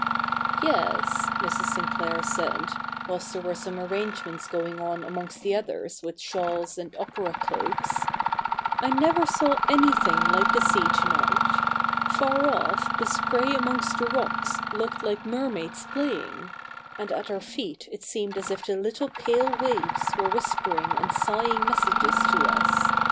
' Yes,' Mrs. Sinclair said, whilst there were some arrange ments going on amongst the others with shawls and opera cloaks, ' I never saw anything like the sea to night. Far off the spray amongst the rocks looked like mermaids playing ; and at our feet it seemed as if the little pale waves were whispering and sighing messages to us.